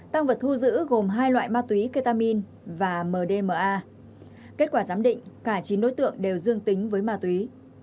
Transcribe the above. tăng vật thu giữ gồm hai loại ma túy ketamin và mdma kết quả giám định cả chín đối tượng đều dương tính với ma túy